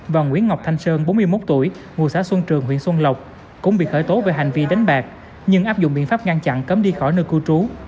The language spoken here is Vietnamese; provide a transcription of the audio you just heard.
và nguyễn ngọc thanh sơn bốn mươi một tuổi ngụ xã xuân trường huyện xuân lộc cũng bị khởi tố về hành vi đánh bạc nhưng áp dụng biện pháp ngăn chặn cấm đi khỏi nơi cư trú